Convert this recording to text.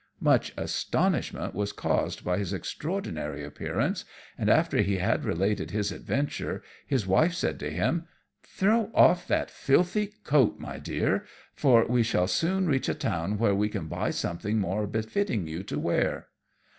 Much astonishment was caused by his extraordinary appearance, and after he had related his adventure his wife said to him: "Throw off that filthy coat, my Dear, for we shall soon reach a town where you can buy something more befitting you to wear."